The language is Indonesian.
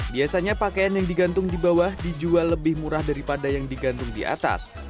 biasanya pakaian yang digantung di bawah dijual lebih murah daripada yang digantung di atas